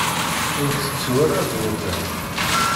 Ur tettu ara ad tvuṭiḍ!